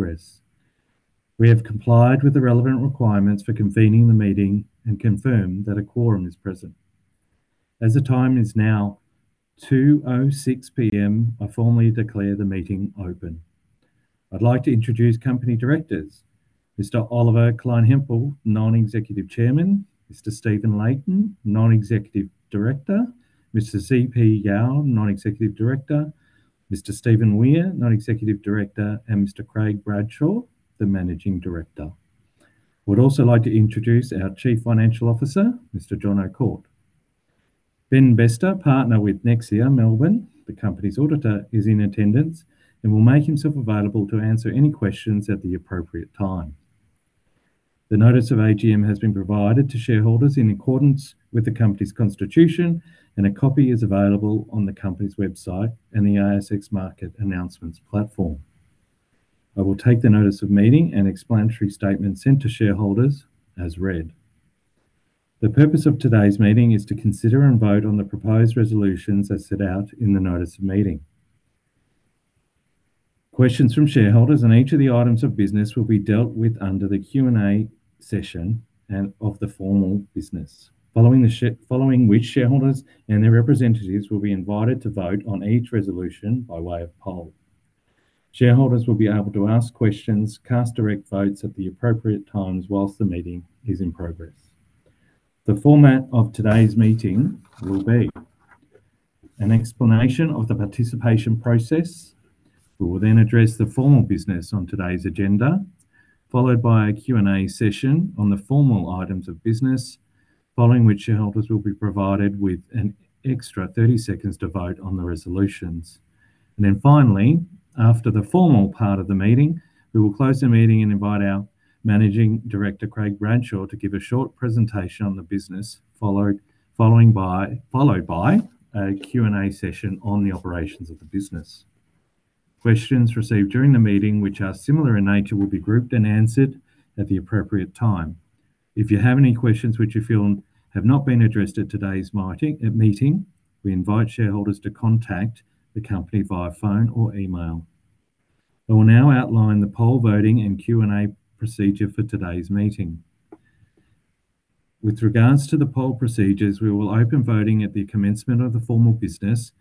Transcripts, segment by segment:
EQ Resources. We have complied with the relevant requirements for convening the meeting and confirmed that a quorum is present. As the time is now 2:06 P.M., I formally declare the meeting open. I'd like to introduce company directors: Mr. Oliver Kleinhempel, non-executive chairman; Mr. Stephen Layton, non-executive director; Mr. Zhui Pei Yao, non-executive director; Mr. Stephen Weir, non-executive director; and Mr. Craig Bradshaw, the managing director. I would also like to introduce our Chief Financial Officer, Mr. Jono Kort. Ben Bester, partner with Nexia Melbourne, the company's auditor, is in attendance and will make himself available to answer any questions at the appropriate time. The notice of AGM has been provided to shareholders in accordance with the company's constitution, and a copy is available on the company's website and the ASX Market Announcements platform. I will take the notice of meeting and explanatory statement sent to shareholders as read. The purpose of today's meeting is to consider and vote on the proposed resolutions as set out in the notice of meeting. Questions from shareholders on each of the items of business will be dealt with under the Q&A session and of the formal business. Following which, shareholders and their representatives will be invited to vote on each resolution by way of poll. Shareholders will be able to ask questions, cast direct votes at the appropriate times whilst the meeting is in progress. The format of today's meeting will be an explanation of the participation process. We will then address the formal business on today's agenda, followed by a Q&A session on the formal items of business, following which shareholders will be provided with an extra 30 seconds to vote on the resolutions. Finally, after the formal part of the meeting, we will close the meeting and invite our Managing Director, Craig Bradshaw, to give a short presentation on the business, followed by a Q&A session on the operations of the business. Questions received during the meeting, which are similar in nature, will be grouped and answered at the appropriate time. If you have any questions which you feel have not been addressed at today's meeting, we invite shareholders to contact the company via phone or email. I will now outline the poll voting and Q&A procedure for today's meeting. With regards to the poll procedures, we will open voting at the commencement of the formal business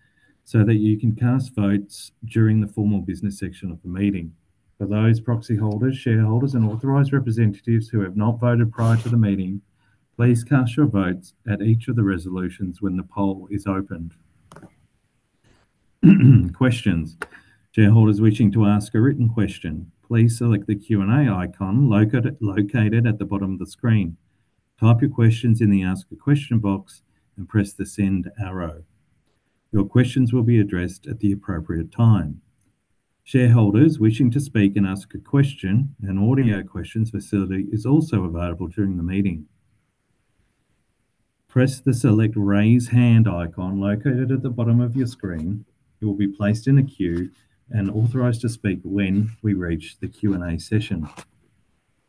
so that you can cast votes during the formal business section of the meeting. For those proxy holders, shareholders, and authorized representatives who have not voted prior to the meeting, please cast your votes at each of the resolutions when the poll is opened. Questions. Shareholders wishing to ask a written question, please select the Q&A icon located at the bottom of the screen. Type your questions in the Ask a Question box and press the Send arrow. Your questions will be addressed at the appropriate time. Shareholders wishing to speak and ask a question, an audio questions facility is also available during the meeting. Press the Select Raise Hand icon located at the bottom of your screen. You will be placed in a queue and authorized to speak when we reach the Q&A session.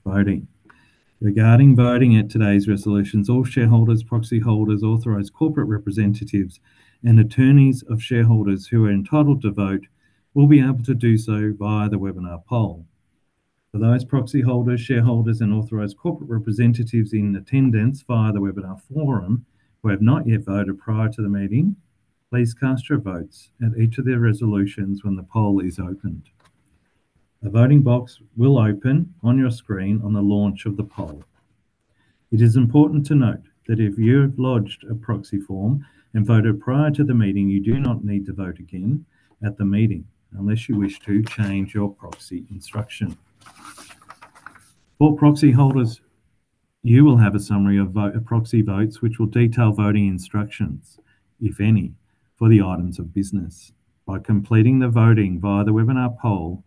Voting. Regarding voting at today's resolutions, all shareholders, proxy holders, authorized corporate representatives, and attorneys of shareholders who are entitled to vote will be able to do so via the webinar poll. For those proxy holders, shareholders, and authorized corporate representatives in attendance via the webinar forum who have not yet voted prior to the meeting, please cast your votes at each of their resolutions when the poll is opened. A voting box will open on your screen on the launch of the poll. It is important to note that if you have lodged a proxy form and voted prior to the meeting, you do not need to vote again at the meeting unless you wish to change your proxy instruction. For proxy holders, you will have a summary of proxy votes which will detail voting instructions, if any, for the items of business. By completing the voting via the webinar poll,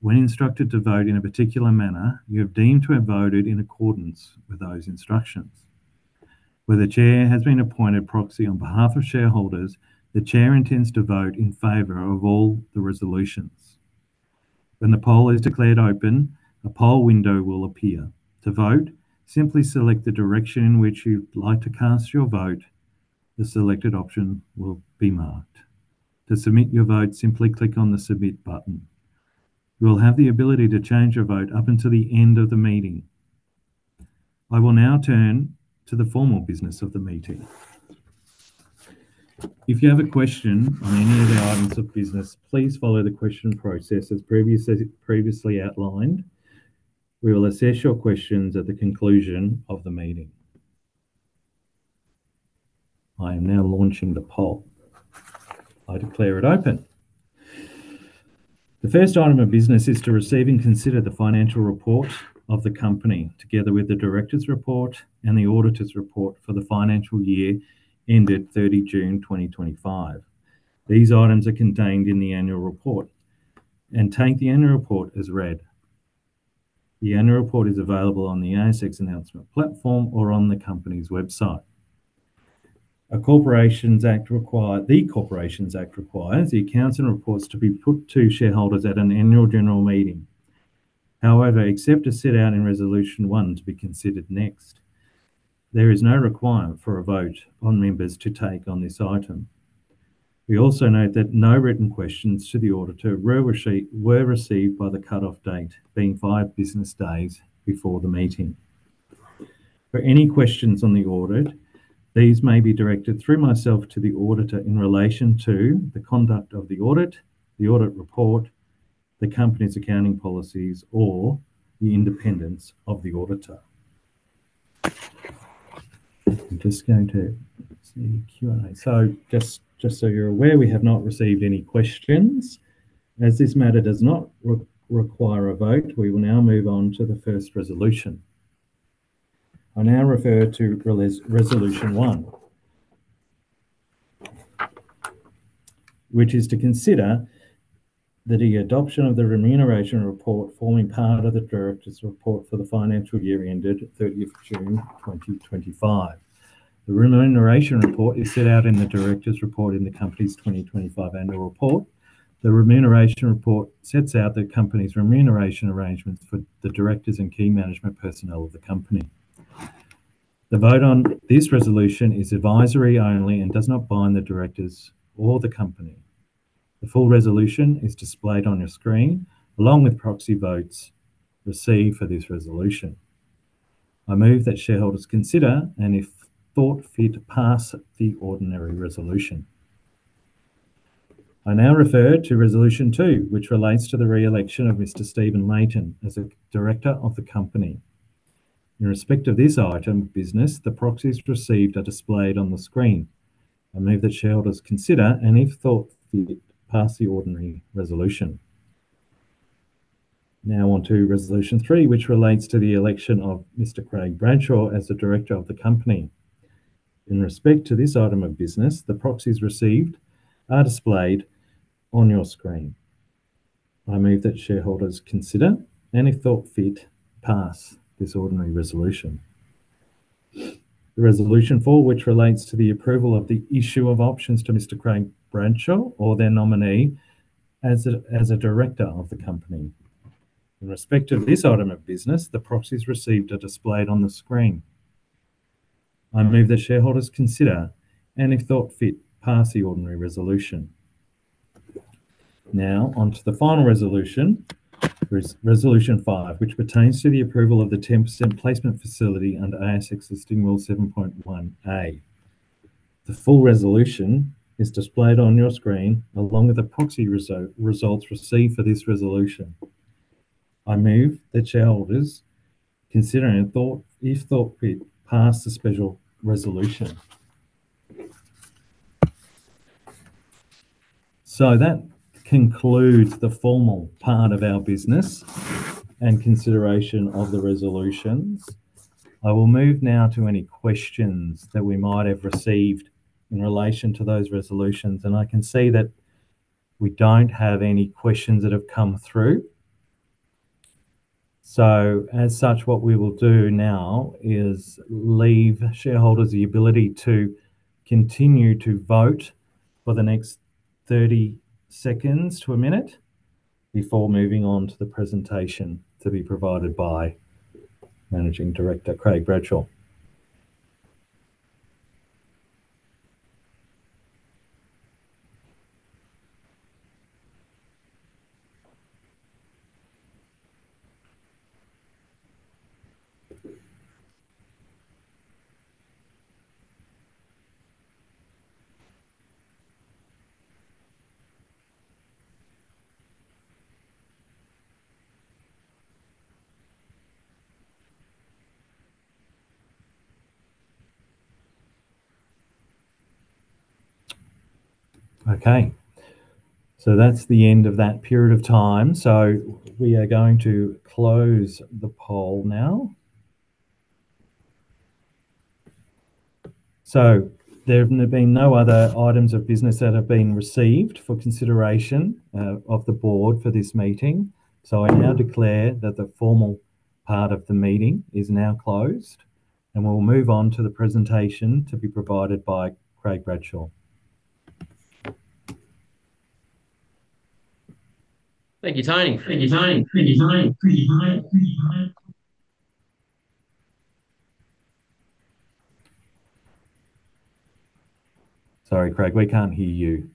when instructed to vote in a particular manner, you are deemed to have voted in accordance with those instructions. Where the Chair has been appointed proxy on behalf of shareholders, the Chair intends to vote in favor of all the resolutions. When the poll is declared open, a poll window will appear. To vote, simply select the direction in which you'd like to cast your vote. The selected option will be marked. To submit your vote, simply click on the Submit button. You will have the ability to change your vote up until the end of the meeting. I will now turn to the formal business of the meeting. If you have a question on any of the items of business, please follow the question process as previously outlined. We will assess your questions at the conclusion of the meeting. I am now launching the poll. I declare it open. The first item of business is to receive and consider the financial report of the company together with the director's report and the auditor's report for the financial year ended 30 June 2025. These items are contained in the annual report and take the annual report as read. The annual report is available on the ASX Announcements platform or on the company's website. A Corporations Act requires the Accounts and Reports to be put to shareholders at an annual general meeting. However, except as set out in Resolution 1 to be considered next, there is no requirement for a vote on members to take on this item. We also note that no written questions to the auditor were received by the cutoff date, being five business days before the meeting. For any questions on the audit, these may be directed through myself to the auditor in relation to the conduct of the audit, the audit report, the company's accounting policies, or the independence of the auditor. I am just going to see Q&A. Just so you are aware, we have not received any questions. As this matter does not require a vote, we will now move on to the first resolution. I now refer to Resolution 1, which is to consider the adoption of the remuneration report forming part of the directors' report for the financial year ended 30 June 2025. The remuneration report is set out in the directors' report in the company's 2025 annual report. The remuneration report sets out the company's remuneration arrangements for the directors and key management personnel of the company. The vote on this resolution is advisory only and does not bind the directors or the company. The full resolution is displayed on your screen along with proxy votes received for this resolution. I move that shareholders consider and, if thought fit, pass the ordinary resolution. I now refer to Resolution 2, which relates to the re-election of Mr. Stephen Layton as a director of the company. In respect of this item of business, the proxies received are displayed on the screen. I move that shareholders consider and, if thought fit, pass the ordinary resolution. Now on to Resolution 3, which relates to the election of Mr. Craig Bradshaw as the director of the company. In respect to this item of business, the proxies received are displayed on your screen. I move that shareholders consider and, if thought fit, pass this ordinary resolution. Resolution 4, which relates to the approval of the issue of options to Mr. Craig Bradshaw or their nominee as a director of the company. In respect of this item of business, the proxies received are displayed on the screen. I move that shareholders consider and, if thought fit, pass the ordinary resolution. Now on to the final resolution, Resolution 5, which pertains to the approval of the 10% placement facility under ASX Listing Rule 7.1A. The full resolution is displayed on your screen along with the proxy results received for this resolution. I move that shareholders consider and, if thought fit, pass the special resolution. That concludes the formal part of our business and consideration of the resolutions. I will move now to any questions that we might have received in relation to those resolutions. I can see that we don't have any questions that have come through. As such, what we will do now is leave shareholders the ability to continue to vote for the next 30 seconds to a minute before moving on to the presentation to be provided by Managing Director, Craig Bradshaw. Okay. That's the end of that period of time. We are going to close the poll now. There have been no other items of business that have been received for consideration of the board for this meeting. I now declare that the formal part of the meeting is now closed, and we will move on to the presentation to be provided by Craig Bradshaw. Thank you, Tony. Sorry, Craig, we can't hear you.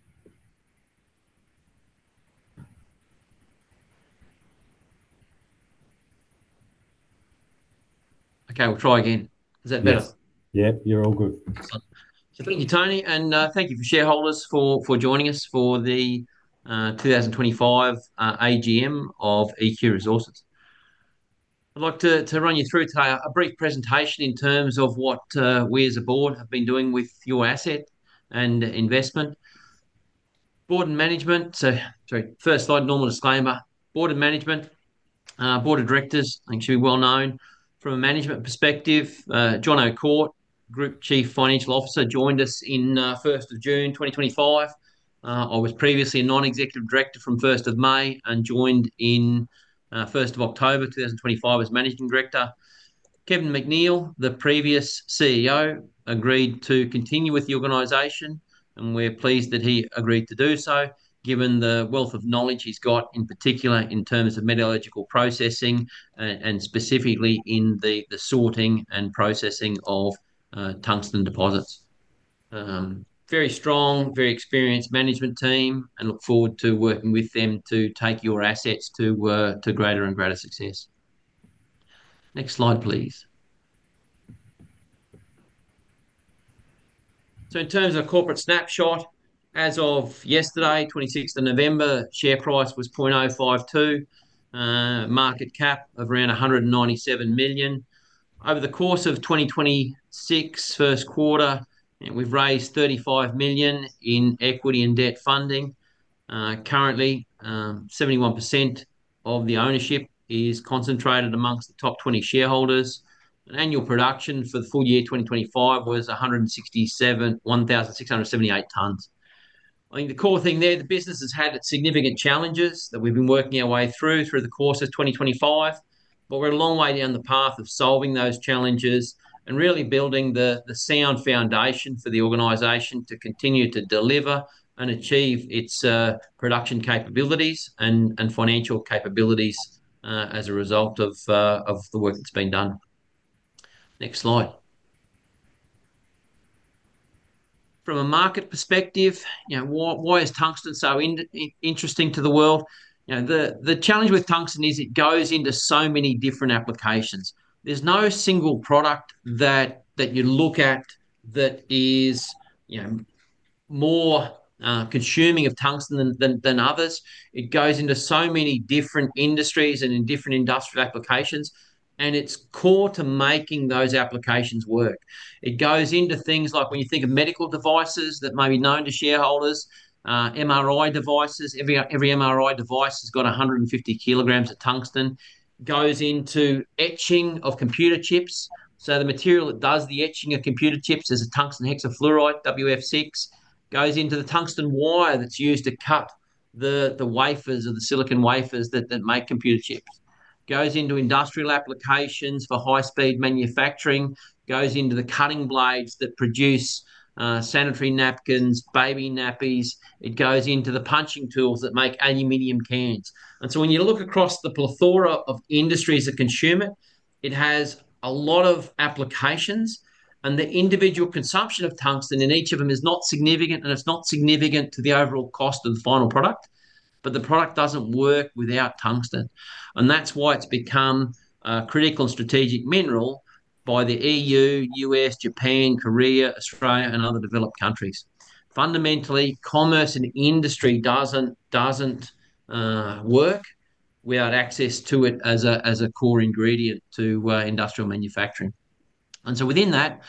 Okay, we'll try again. Is that better? Yep, you're all good. Thank you, Tony. Thank you for shareholders for joining us for the 2025 AGM of EQ Resources. I'd like to run you through a brief presentation in terms of what we as a board have been doing with your asset and investment. Board and management. Sorry. First slide, normal disclaimer. Board and management. Board of directors, I think should be well known. From a management perspective, Jono Kort, Group Chief Financial Officer, joined us in 1 June 2025. I was previously a non-executive director from 1 May and joined in 1 October 2025 as managing director. Kevin McNeil, the previous CEO, agreed to continue with the organization, and we're pleased that he agreed to do so given the wealth of knowledge he's got, in particular in terms of metallurgical processing and specifically in the sorting and processing of tungsten deposits. Very strong, very experienced management team, and look forward to working with them to take your assets to greater and greater success. Next slide, please. In terms of a corporate snapshot, as of yesterday, 26 November, share price was 0.052, market cap of around 197 million. Over the course of 2026 first quarter, we've raised 35 million in equity and debt funding. Currently, 71% of the ownership is concentrated amongst the top 20 shareholders. Annual production for the full year 2025 was 1,678 tonnes. I think the core thing there, the business has had significant challenges that we've been working our way through the course of 2025, but we're a long way down the path of solving those challenges and really building the sound foundation for the organization to continue to deliver and achieve its production capabilities and financial capabilities as a result of the work that's been done. Next slide. From a market perspective, why is tungsten so interesting to the world? The challenge with tungsten is it goes into so many different applications. There's no single product that you look at that is more consuming of tungsten than others. It goes into so many different industries and in different industrial applications, and it's core to making those applications work. It goes into things like when you think of medical devices that may be known to shareholders, MRI devices. Every MRI device has got 150 kg of tungsten. It goes into etching of computer chips. The material that does the etching of computer chips is a tungsten hexafluoride, WF6. It goes into the tungsten wire that's used to cut the wafers or the silicon wafers that make computer chips. It goes into industrial applications for high-speed manufacturing. It goes into the cutting blades that produce sanitary napkins, baby nappies. It goes into the punching tools that make aluminium cans. When you look across the plethora of industries that consume it, it has a lot of applications, and the individual consumption of tungsten in each of them is not significant, and it's not significant to the overall cost of the final product, but the product doesn't work without tungsten. That is why it has become a critical and strategic mineral by the EU, U.S., Japan, Korea, Australia, and other developed countries. Fundamentally, commerce and industry do not work without access to it as a core ingredient to industrial manufacturing. Within that,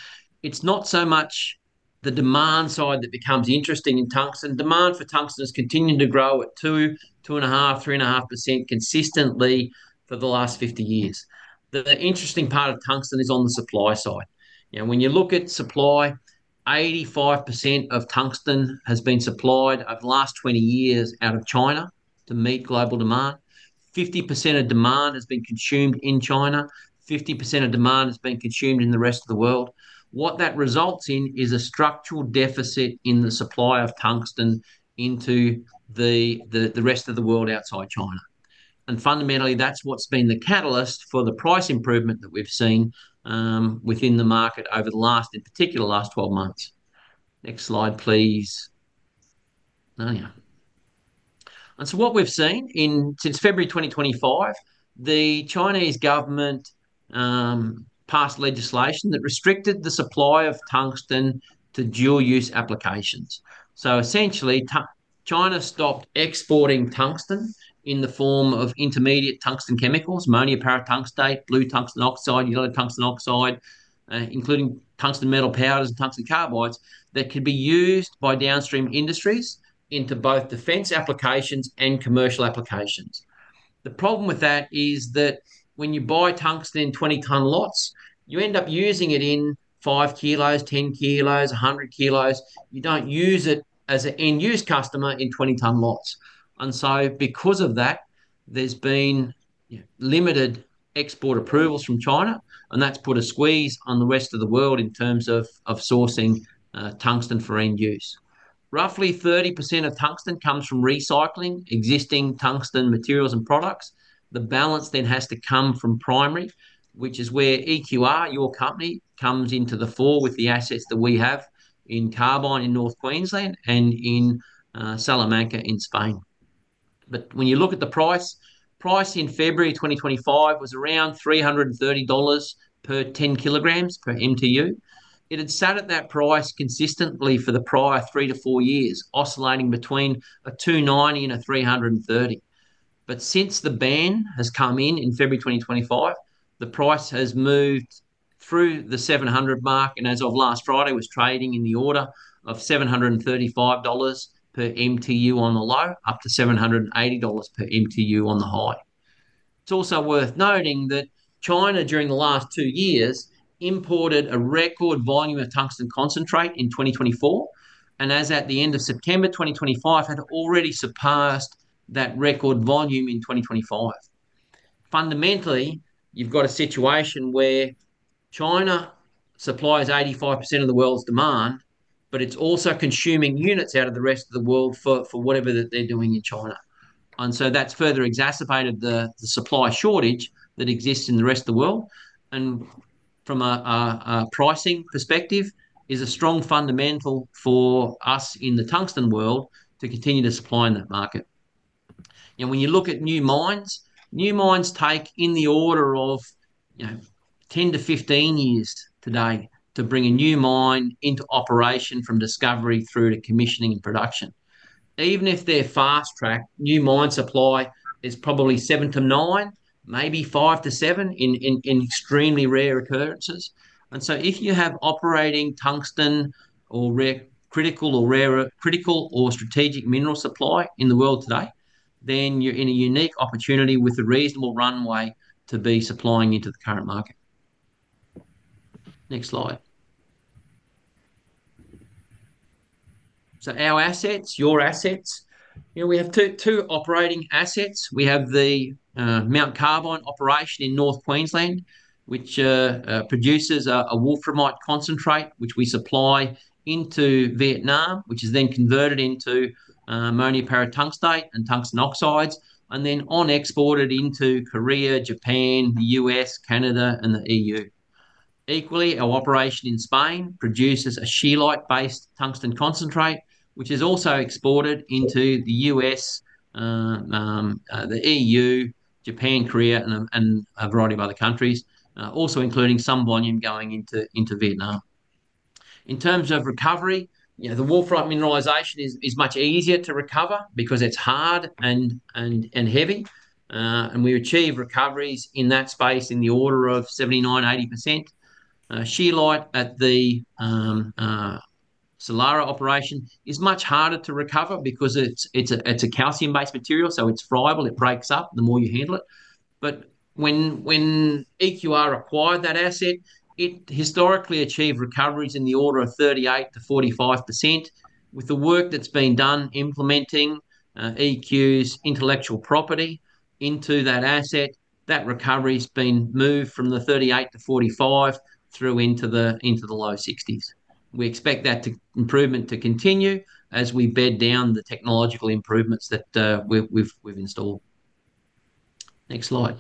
it is not so much the demand side that becomes interesting in tungsten. Demand for tungsten has continued to grow at 2%, 2.5%, 3.5% consistently for the last 50 years. The interesting part of tungsten is on the supply side. When you look at supply, 85% of tungsten has been supplied over the last 20 years out of China to meet global demand. 50% of demand has been consumed in China. 50% of demand has been consumed in the rest of the world. What that results in is a structural deficit in the supply of tungsten into the rest of the world outside China. Fundamentally, that's what's been the catalyst for the price improvement that we've seen within the market over the last, in particular, last 12 months. Next slide, please. What we've seen since February 2025, the Chinese government passed legislation that restricted the supply of tungsten to dual-use applications. Essentially, China stopped exporting tungsten in the form of intermediate tungsten chemicals, ammonium paratungstate, blue tungsten oxide, yellow tungsten oxide, including tungsten metal powders and tungsten carbides that could be used by downstream industries into both defense applications and commercial applications. The problem with that is that when you buy tungsten in 20-tonne lots, you end up using it in 5 k, 10 k, 100 k. You don't use it as an end-use customer in 20-tonne lots. Because of that, there's been limited export approvals from China, and that's put a squeeze on the rest of the world in terms of sourcing tungsten for end use. Roughly 30% of tungsten comes from recycling existing tungsten materials and products. The balance then has to come from primary, which is where EQR, your company, comes into the fore with the assets that we have in Carbine in North Queensland and in Salamanca in Spain. When you look at the price, price in February 2025 was around 330 dollars per 10 kg per MTU. It had sat at that price consistently for the prior three to four years, oscillating between a 290 and a 330. Since the ban has come in in February 2025, the price has moved through the 700 mark, and as of last Friday, was trading in the order of 735 dollars per MTU on the low, up to 780 dollars per MTU on the high. It's also worth noting that China, during the last two years, imported a record volume of tungsten concentrate in 2024, and as at the end of September 2025, had already surpassed that record volume in 2025. Fundamentally, you've got a situation where China supplies 85% of the world's demand, but it's also consuming units out of the rest of the world for whatever that they're doing in China. That has further exacerbated the supply shortage that exists in the rest of the world. From a pricing perspective, it is a strong fundamental for us in the tungsten world to continue to supply in that market. When you look at new mines, new mines take in the order of 10-15 years today to bring a new mine into operation from discovery through to commissioning and production. Even if they're fast-tracked, new mines supply is probably 7-9, maybe 5-7 in extremely rare occurrences. If you have operating tungsten or critical or strategic mineral supply in the world today, then you're in a unique opportunity with a reasonable runway to be supplying into the current market. Next slide. Our assets, your assets, we have two operating assets. We have the Mount Carbine operation in North Queensland, which produces a wolframite concentrate, which we supply into Vietnam, which is then converted into ammonium paratungstate and tungsten oxides, and then on-exported into Korea, Japan, the US, Canada, and the EU. Equally, our operation in Spain produces a scheelite-based tungsten concentrate, which is also exported into the US, the EU, Japan, Korea, and a variety of other countries, also including some volume going into Vietnam. In terms of recovery, the wolframite mineralization is much easier to recover because it's hard and heavy, and we achieve recoveries in that space in the order of 79%-80%. Scheelite at the Saloro operation is much harder to recover because it's a calcium-based material, so it's friable. It breaks up the more you handle it. When EQR acquired that asset, it historically achieved recoveries in the order of 38%-45%. With the work that's been done implementing EQ's intellectual property into that asset, that recovery's been moved from the 38%-45% through into the low 60s. We expect that improvement to continue as we bed down the technological improvements that we've installed. Next slide.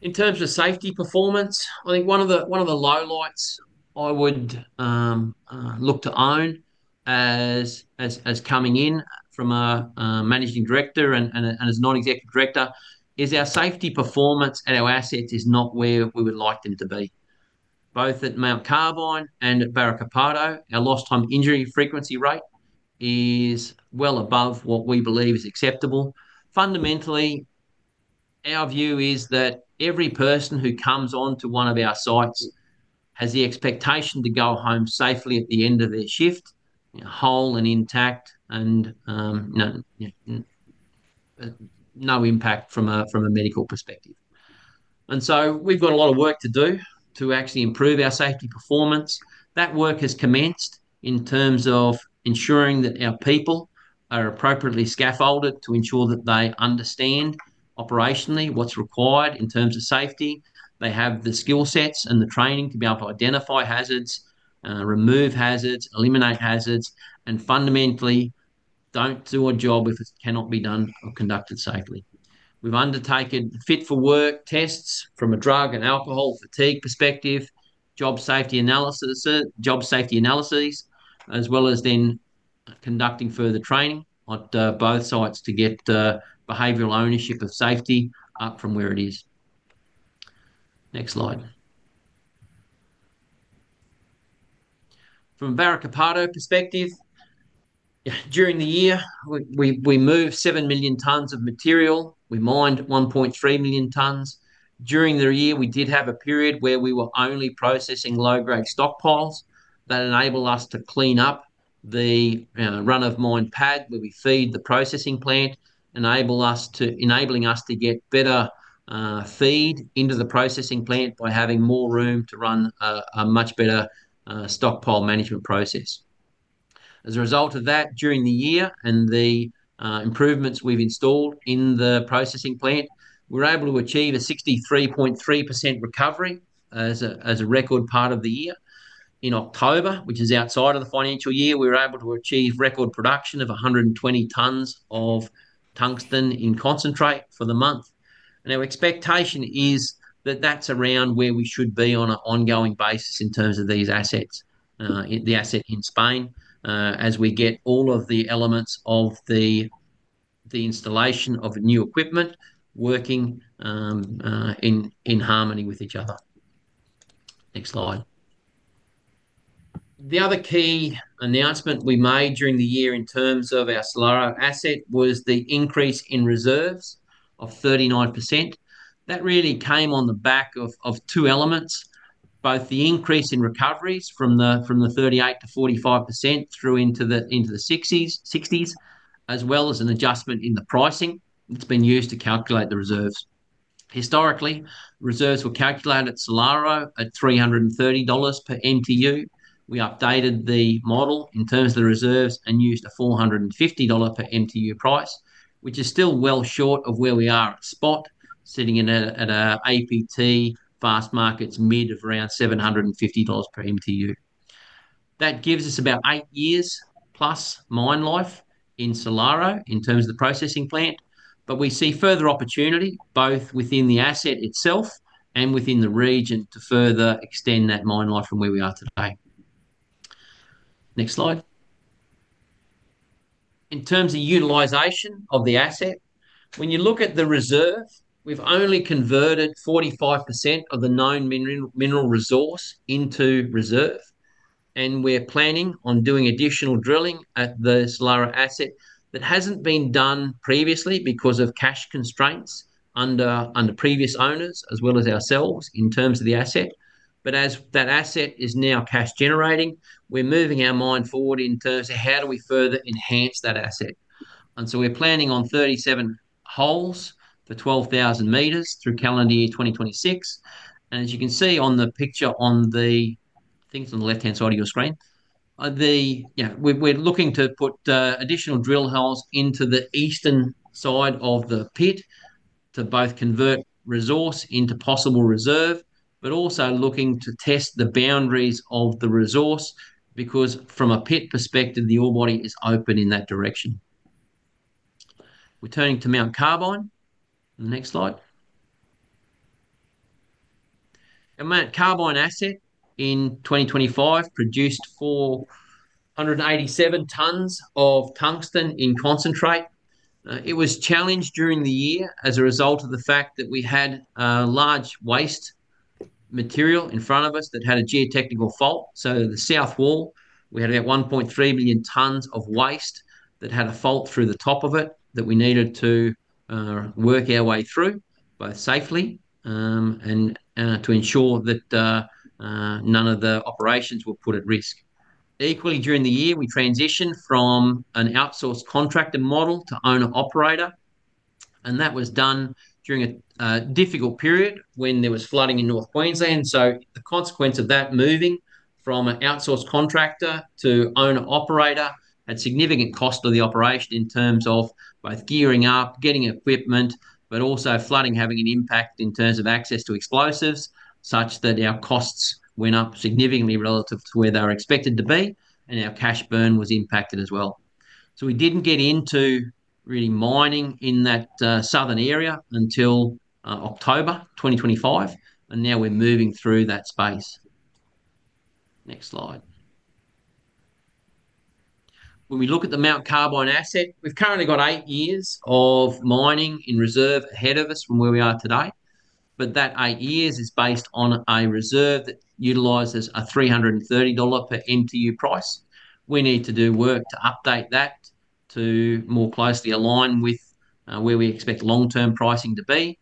In terms of safety performance, I think one of the lowlights I would look to own as coming in from a Managing Director and as Non-Executive Director is our safety performance at our assets is not where we would like them to be. Both at Mount Carbine and at Barruecopardo, our lost-time injury frequency rate is well above what we believe is acceptable. Fundamentally, our view is that every person who comes on to one of our sites has the expectation to go home safely at the end of their shift, whole and intact, and no impact from a medical perspective. We have got a lot of work to do to actually improve our safety performance. That work has commenced in terms of ensuring that our people are appropriately scaffolded to ensure that they understand operationally what is required in terms of safety. They have the skill sets and the training to be able to identify hazards, remove hazards, eliminate hazards, and fundamentally don't do a job if it cannot be done or conducted safely. We've undertaken fit-for-work tests from a drug and alcohol fatigue perspective, job safety analyses, as well as then conducting further training at both sites to get behavioral ownership of safety up from where it is. Next slide. From a Barruecopardo perspective, during the year, we moved 7 million tonnes of material. We mined 1.3 million tonnes. During the year, we did have a period where we were only processing low-grade stockpiles that enabled us to clean up the run-of-mine pad where we feed the processing plant, enabling us to get better feed into the processing plant by having more room to run a much better stockpile management process. As a result of that, during the year and the improvements we've installed in the processing plant, we were able to achieve a 63.3% recovery as a record part of the year. In October, which is outside of the financial year, we were able to achieve record production of 120 tonnes of tungsten in concentrate for the month. Our expectation is that that's around where we should be on an ongoing basis in terms of these assets, the asset in Spain, as we get all of the elements of the installation of new equipment working in harmony with each other. Next slide. The other key announcement we made during the year in terms of our Saloro asset was the increase in reserves of 39%. That really came on the back of two elements, both the increase in recoveries from the 38%-45% through into the 60s, as well as an adjustment in the pricing that's been used to calculate the reserves. Historically, reserves were calculated at Saloro at 330 dollars per MTU. We updated the model in terms of the reserves and used a 450 dollar per MTU price, which is still well short of where we are at spot, sitting at our APT, Fastmarkets, mid of around 750 dollars per MTU. That gives us about 8+ years plus mine life in Saloro in terms of the processing plant, but we see further opportunity both within the asset itself and within the region to further extend that mine life from where we are today. Next slide. In terms of utilisation of the asset, when you look at the reserve, we've only converted 45% of the known mineral resource into reserve, and we're planning on doing additional drilling at the Saloro asset that hasn't been done previously because of cash constraints under previous owners, as well as ourselves in terms of the asset. As that asset is now cash-generating, we're moving our mind forward in terms of how do we further enhance that asset. We're planning on 37 holes for 12,000 m through calendar year 2026. As you can see on the picture on the things on the left-hand side of your screen, we're looking to put additional drill holes into the eastern side of the pit to both convert resource into possible reserve, but also looking to test the boundaries of the resource because from a pit perspective, the ore body is open in that direction. Returning to Mount Carbine. Next slide. The Mount Carbine asset in 2025 produced 487 tonnes of tungsten in concentrate. It was challenged during the year as a result of the fact that we had large waste material in front of us that had a geotechnical fault. The south wall, we had about 1.3 million tonnes of waste that had a fault through the top of it that we needed to work our way through, both safely and to ensure that none of the operations were put at risk. Equally, during the year, we transitioned from an outsourced contractor model to owner-operator, and that was done during a difficult period when there was flooding in North Queensland. The consequence of that moving from an outsourced contractor to owner-operator had significant cost of the operation in terms of both gearing up, getting equipment, but also flooding having an impact in terms of access to explosives such that our costs went up significantly relative to where they were expected to be, and our cash burn was impacted as well. We did not get into really mining in that southern area until October 2025, and now we are moving through that space. Next slide. When we look at the Mount Carbine asset, we have currently got eight years of mining in reserve ahead of us from where we are today, but that eight years is based on a reserve that utilizes a 330 dollar per MTU price. We need to do work to update that to more closely align with where we expect long-term pricing to be,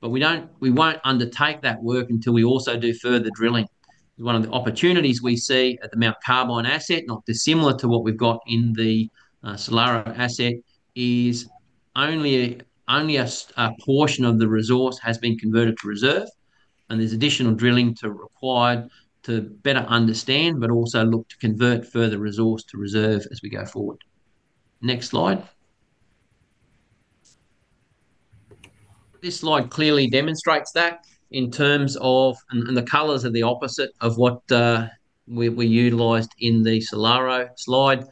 but we will not undertake that work until we also do further drilling. One of the opportunities we see at the Mount Carbine asset, not dissimilar to what we have got in the Saloro asset, is only a portion of the resource has been converted to reserve, and there is additional drilling required to better understand, but also look to convert further resource to reserve as we go forward. Next slide. This slide clearly demonstrates that in terms of, and the colors are the opposite of what we utilized in the Saloro slide,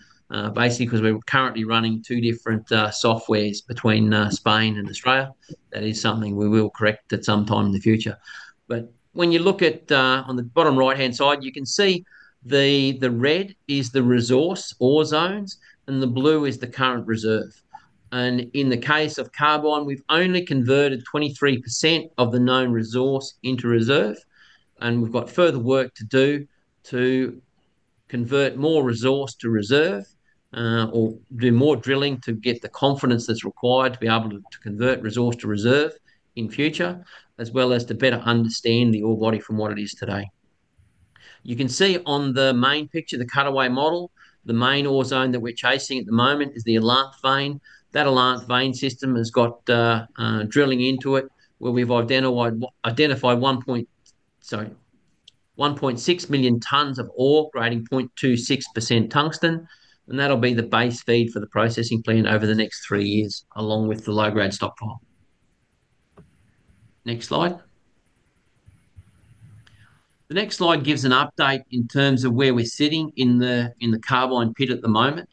basically because we're currently running two different softwares between Spain and Australia. That is something we will correct at some time in the future. When you look at on the bottom right-hand side, you can see the red is the resource ore zones, and the blue is the current reserve. In the case of Carbine, we've only converted 23% of the known resource into reserve, and we've got further work to do to convert more resource to reserve or do more drilling to get the confidence that's required to be able to convert resource to reserve in future, as well as to better understand the ore body from what it is today. You can see on the main picture, the cutaway model, the main ore zone that we're chasing at the moment is the Iolanthe vein. That Iolanthe vein system has got drilling into it where we've identified 1.6 million tonnes of ore grading 0.26% tungsten, and that'll be the base feed for the processing plant over the next three years along with the low-grade stockpile. Next slide. The next slide gives an update in terms of where we're sitting in the Carbine pit at the moment.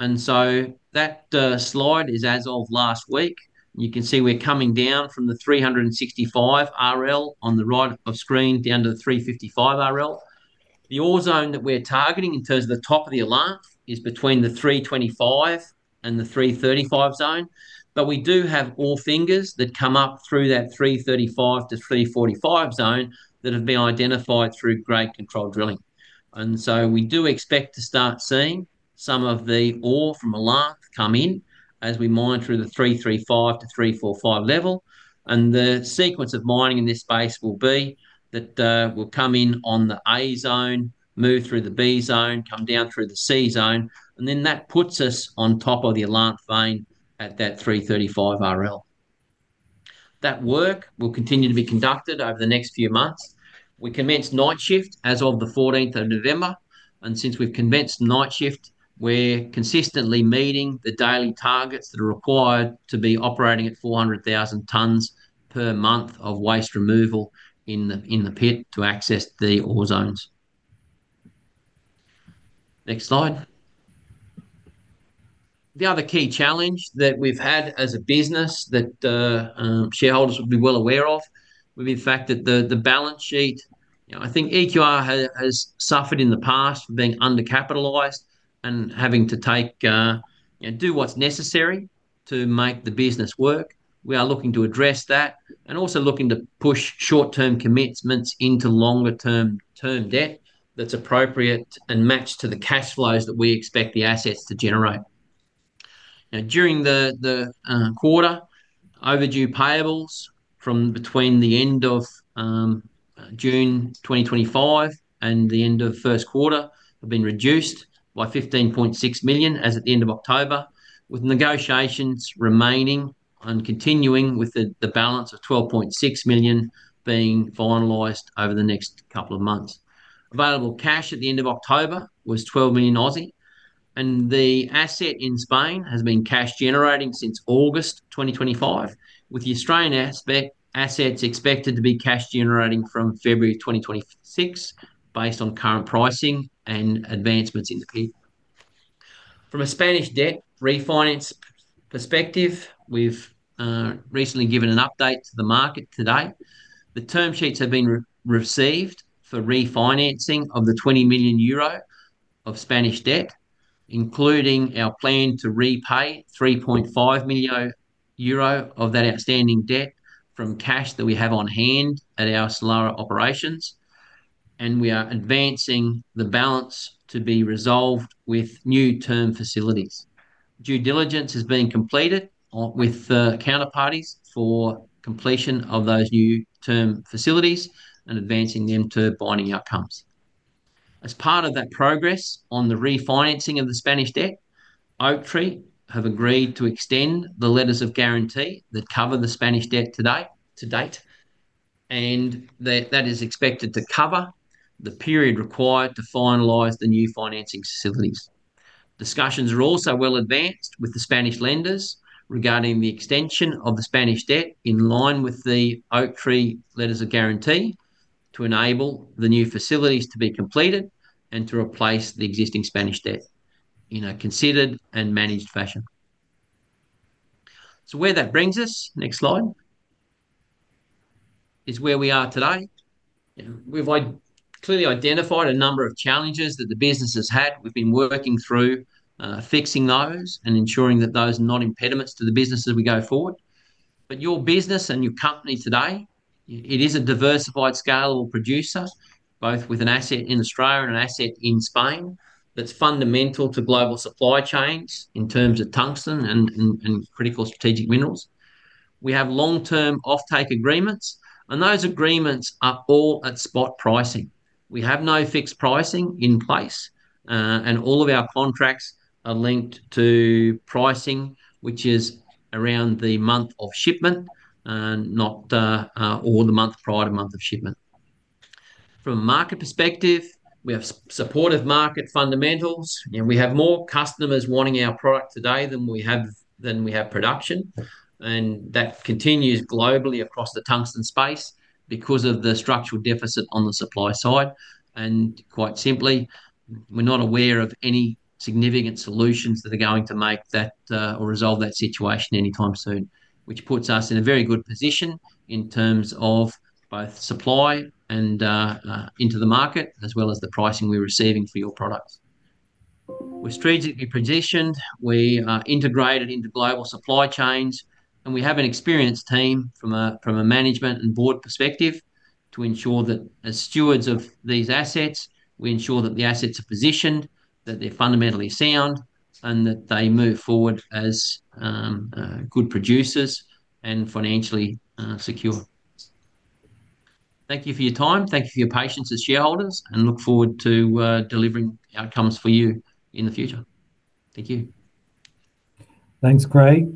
That slide is as of last week. You can see we're coming down from the 365 RL on the right of screen down to the 355 RL. The ore zone that we're targeting in terms of the top of the Iolanthe is between the 325 and the 335 zone, but we do have ore fingers that come up through that 335-345 zone that have been identified through grade control drilling. We do expect to start seeing some of the ore from Iolanthe come in as we monitor the 335-345 level. The sequence of mining in this space will be that we'll come in on the A zone, move through the B zone, come down through the C zone, and then that puts us on top of the Iolanthe vein at that 335 RL. That work will continue to be conducted over the next few months. We commenced night shift as of the 14th of November, and since we've commenced night shift, we're consistently meeting the daily targets that are required to be operating at 400,000 tonnes per month of waste removal in the pit to access the ore zones. Next slide. The other key challenge that we've had as a business that shareholders will be well aware of, we've in fact that the balance sheet, I think EQR has suffered in the past for being undercapitalized and having to do what's necessary to make the business work. We are looking to address that and also looking to push short-term commitments into longer-term debt that's appropriate and matched to the cash flows that we expect the assets to generate. Now, during the quarter, overdue payables from between the end of June 2025 and the end of first quarter have been reduced by 15.6 million as at the end of October, with negotiations remaining and continuing with the balance of 12.6 million being finalised over the next couple of months. Available cash at the end of October was 12 million, and the asset in Spain has been cash-generating since August 2025, with the Australian assets expected to be cash-generating from February 2026 based on current pricing and advancements in the pit. From a Spanish debt refinance perspective, we've recently given an update to the market today. The term sheets have been received for refinancing of the 20 million euro of Spanish debt, including our plan to repay 3.5 million euro of that outstanding debt from cash that we have on hand at our Saloro operations, and we are advancing the balance to be resolved with new term facilities. Due diligence has been completed with counterparties for completion of those new term facilities and advancing them to binding outcomes. As part of that progress on the refinancing of the Spanish debt, Oaktree Capital have agreed to extend the letters of guarantee that cover the Spanish debt to date, and that is expected to cover the period required to finalize the new financing facilities. Discussions are also well advanced with the Spanish lenders regarding the extension of the Spanish debt in line with the Oaktree letters of guarantee to enable the new facilities to be completed and to replace the existing Spanish debt in a considered and managed fashion. Where that brings us, next slide, is where we are today. We've clearly identified a number of challenges that the business has had. We've been working through fixing those and ensuring that those are not impediments to the business as we go forward. Your business and your company today, it is a diversified scalable producer, both with an asset in Australia and an asset in Spain that's fundamental to global supply chains in terms of tungsten and critical strategic minerals. We have long-term offtake agreements, and those agreements are all at spot pricing. We have no fixed pricing in place, and all of our contracts are linked to pricing, which is around the month of shipment and not all the month prior to month of shipment. From a market perspective, we have supportive market fundamentals, and we have more customers wanting our product today than we have production, and that continues globally across the tungsten space because of the structural deficit on the supply side. Quite simply, we're not aware of any significant solutions that are going to make that or resolve that situation anytime soon, which puts us in a very good position in terms of both supply and into the market, as well as the pricing we're receiving for your products. We're strategically positioned. We are integrated into global supply chains, and we have an experienced team from a management and board perspective to ensure that as stewards of these assets, we ensure that the assets are positioned, that they're fundamentally sound, and that they move forward as good producers and financially secure. Thank you for your time. Thank you for your patience as shareholders, and look forward to delivering outcomes for you in the future. Thank you. Thanks, Craig.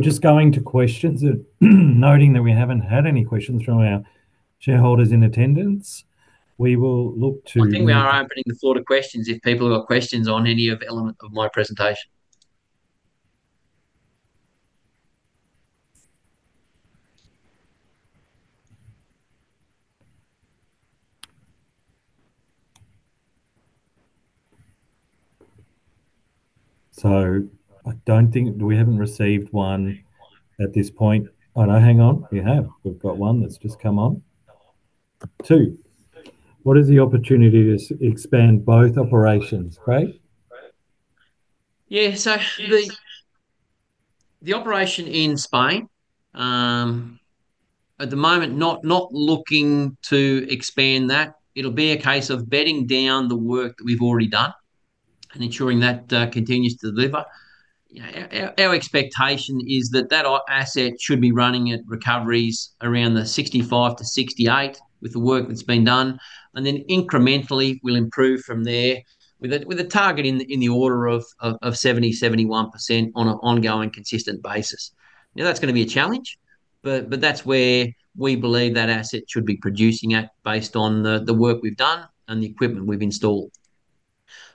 Just going to questions, noting that we haven't had any questions from our shareholders in attendance, we will look to. I think we are opening the floor to questions if people have got questions on any of the elements of my presentation. I don't think we haven't received one at this point. Hang on. You have. We've got one that's just come on. Two. What is the opportunity to expand both operations? Craig? Yeah. The operation in Spain, at the moment, not looking to expand that. It'll be a case of bedding down the work that we've already done and ensuring that continues to deliver. Our expectation is that that asset should be running at recoveries around the 65%-68% with the work that's been done, and then incrementally we'll improve from there with a target in the order of 70%-71% on an ongoing consistent basis. That is going to be a challenge, but that's where we believe that asset should be producing at based on the work we've done and the equipment we've installed.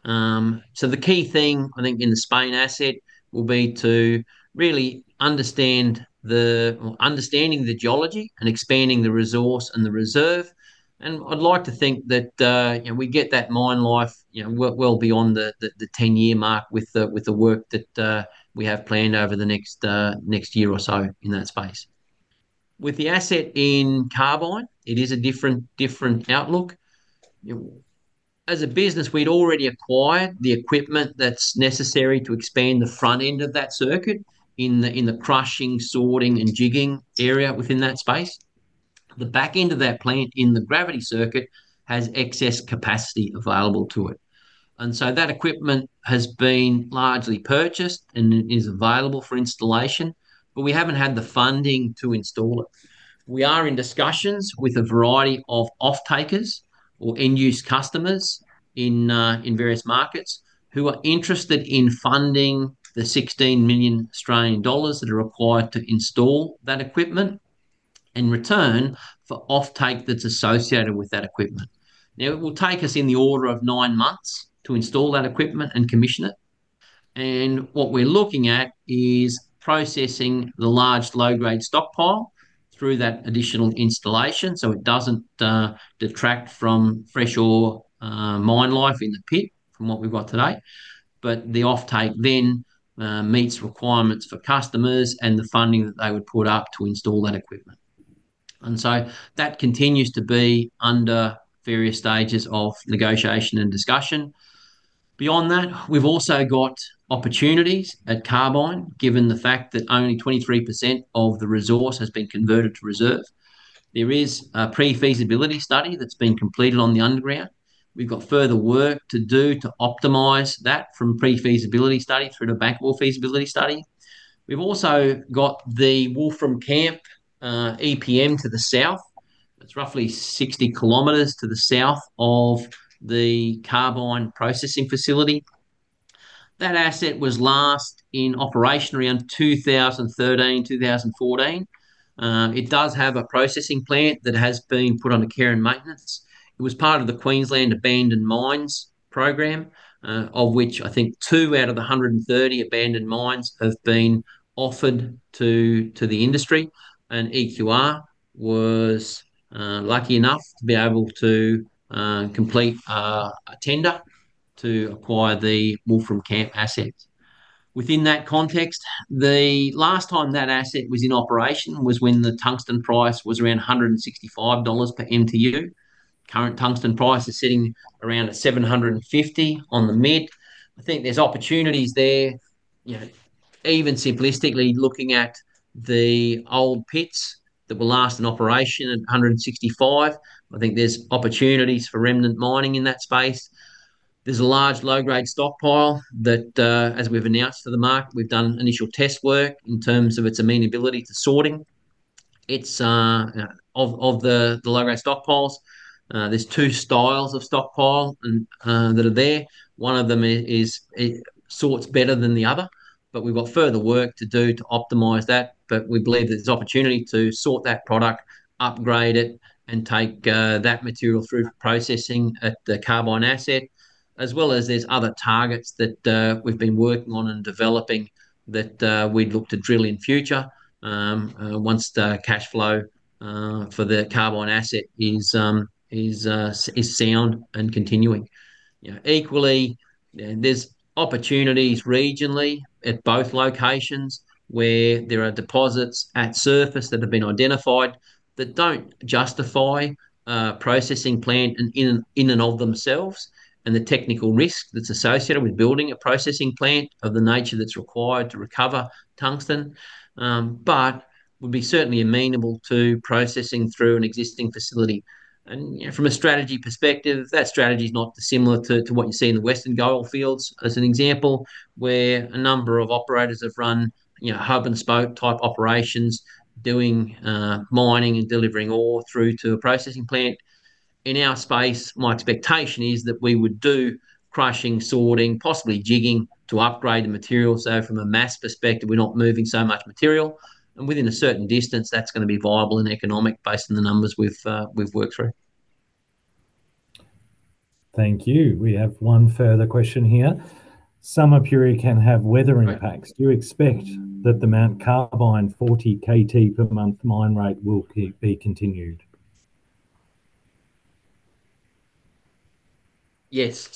The key thing, I think, in the Spain asset will be to really understand the geology and expanding the resource and the reserve. I'd like to think that we get that mine life well beyond the 10-year mark with the work that we have planned over the next year or so in that space. With the asset in Carbine, it is a different outlook. As a business, we'd already acquired the equipment that's necessary to expand the front end of that circuit in the crushing, sorting, and jigging area within that space. The back end of that plant in the gravity circuit has excess capacity available to it. That equipment has been largely purchased and is available for installation, but we haven't had the funding to install it. We are in discussions with a variety of off-takers or end-use customers in various markets who are interested in funding the 16 million Australian dollars that are required to install that equipment in return for off-take that's associated with that equipment. Now, it will take us in the order of nine months to install that equipment and commission it. What we're looking at is processing the large low-grade stockpile through that additional installation so it doesn't detract from fresh ore mine life in the pit from what we've got today, but the off-take then meets requirements for customers and the funding that they would put up to install that equipment. That continues to be under various stages of negotiation and discussion. Beyond that, we've also got opportunities at Carbine given the fact that only 23% of the resource has been converted to reserve. There is a pre-feasibility study that's been completed on the underground. We've got further work to do to optimise that from pre-feasibility study through to back-awar feasibility study. We've also got the Wolfram Camp EPM to the south. It's roughly 60 km to the south of the Carbine processing facility. That asset was last in operation around 2013, 2014. It does have a processing plant that has been put under care and maintenance. It was part of the Queensland Abandoned Mines Program, of which I think two out of the 130 abandoned mines have been offered to the industry, and EQR was lucky enough to be able to complete a tender to acquire the Wolfram Camp asset. Within that context, the last time that asset was in operation was when the tungsten price was around 165 dollars per MTU. Current tungsten price is sitting around 750 on the mid. I think there's opportunities there. Even simplistically, looking at the old pits that were last in operation at 165, I think there's opportunities for remnant mining in that space. There's a large low-grade stockpile that, as we've announced to the market, we've done initial test work in terms of its amenability to sorting. Of the low-grade stockpiles, there are two styles of stockpile that are there. One of them sorts better than the other, but we've got further work to do to optimize that. We believe there's opportunity to sort that product, upgrade it, and take that material through processing at the Carbine asset, as well as there are other targets that we've been working on and developing that we'd look to drill in future once the cash flow for the Carbine asset is sound and continuing. Equally, there's opportunities regionally at both locations where there are deposits at surface that have been identified that don't justify a processing plant in and of themselves and the technical risk that's associated with building a processing plant of the nature that's required to recover tungsten, but would be certainly amenable to processing through an existing facility. From a strategy perspective, that strategy is not dissimilar to what you see in the Western gold fields, as an example, where a number of operators have run hub-and-spoke type operations doing mining and delivering ore through to a processing plant. In our space, my expectation is that we would do crushing, sorting, possibly jigging to upgrade the material. From a mass perspective, we're not moving so much material. Within a certain distance, that's going to be viable and economic based on the numbers we've worked through. Thank you. We have one further question here. Summer period can have weather impacts. Do you expect that the Mount Carbine 40 KT per month mine rate will be continued? Yes.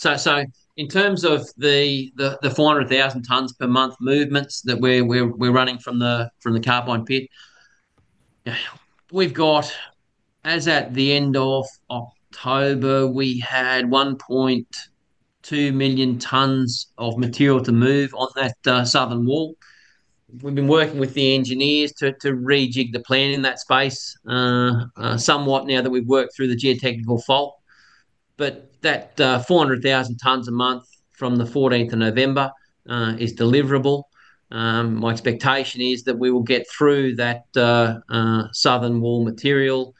In terms of the 400,000 tonnes per month movements that we're running from the Carbine pit, as at the end of October, we had 1.2 million tonnes of material to move on that southern wall. We've been working with the engineers to rejig the plan in that space somewhat now that we've worked through the geotechnical fault. That 400,000 tonnes a month from the 14th of November is deliverable. My expectation is that we will get through that southern wall material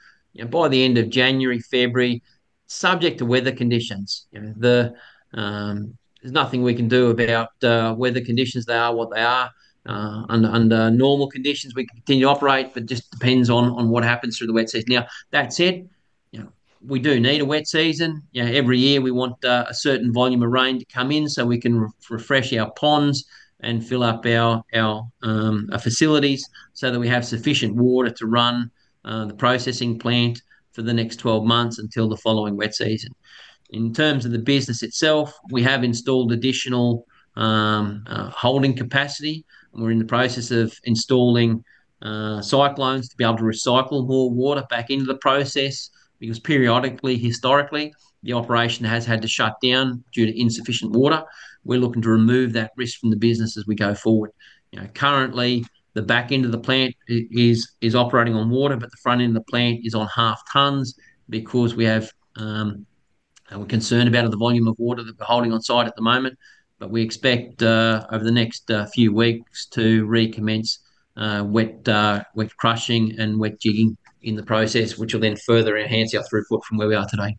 by the end of January, February, subject to weather conditions. There's nothing we can do about weather conditions. They are what they are. Under normal conditions, we can continue to operate, but it just depends on what happens through the wet season. Now, that said, we do need a wet season. Every year, we want a certain volume of rain to come in so we can refresh our ponds and fill up our facilities so that we have sufficient water to run the processing plant for the next 12 months until the following wet season. In terms of the business itself, we have installed additional holding capacity. We're in the process of installing cyclones to be able to recycle more water back into the process because periodically, historically, the operation has had to shut down due to insufficient water. We're looking to remove that risk from the business as we go forward. Currently, the back end of the plant is operating on water, but the front end of the plant is on half tonnes because we're concerned about the volume of water that we're holding on site at the moment. We expect over the next few weeks to recommence wet crushing and wet jigging in the process, which will then further enhance our throughput from where we are today.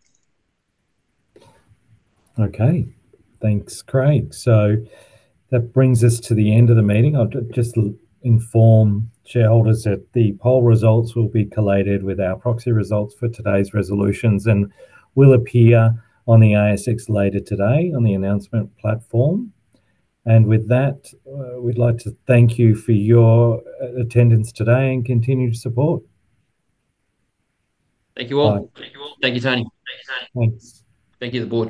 Okay. Thanks, Craig. That brings us to the end of the meeting. I'll just inform shareholders that the poll results will be collated with our proxy results for today's resolutions and will appear on the ASX later today on the announcement platform. With that, we'd like to thank you for your attendance today and continued support. Thank you all. Thank you all. Thank you, Tony. Thank you, Tony. Thank you. Thank you to the board.